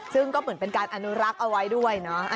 ซึ่งก็เหมือนเป็นการอนุรักษ์เอาไว้ด้วยเนาะ